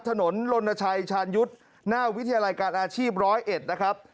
ถนนลนชัยชาญยุทธ์หน้าวิทยาลัยการอาชีพ๑๐๑นะครับ